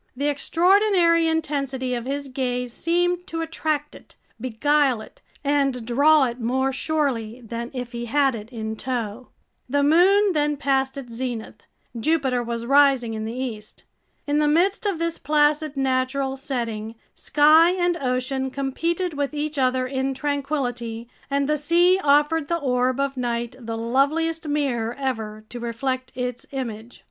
The extraordinary intensity of his gaze seemed to attract it, beguile it, and draw it more surely than if he had it in tow! The moon then passed its zenith. Jupiter was rising in the east. In the midst of this placid natural setting, sky and ocean competed with each other in tranquility, and the sea offered the orb of night the loveliest mirror ever to reflect its image.